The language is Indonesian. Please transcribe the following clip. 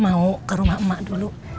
mau ke rumah emak dulu